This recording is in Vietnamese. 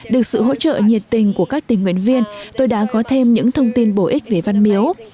được sự hỗ trợ nhiệt tình của các tình nguyện viên tôi đã có thêm những thông tin bổ ích về văn miếu